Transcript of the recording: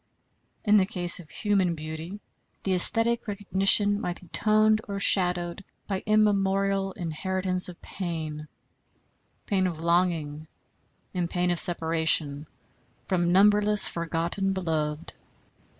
In the case of human beauty, the æsthetic recognition might be toned or shadowed by immemorial inheritance of pain pain of longing, and pain of separation from numberless forgotten beloved.